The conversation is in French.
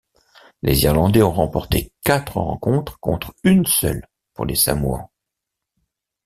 Les Irlandais ont remporté quatre rencontres contre une seule pour les Samoans.